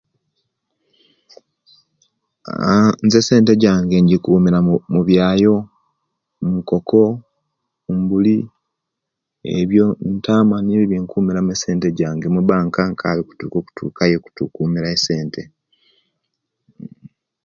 Aah nze esente jange injikumira mubyaayo; nkoko, mbuli, eebyo ntama, byekumira mu esente jange. Mubanka nkali okutuukayo okukuumirayo essente.